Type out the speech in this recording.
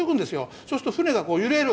そうすると船が揺れる。